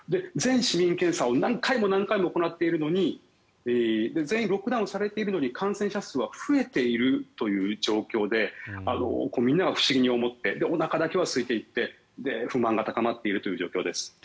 全市民検査を何回も何回も行っているのに全員ロックダウンされているのに感染者数は増えているという状況でみんなは不思議に思っておなかだけは空いていって不満が高まっているという状況です。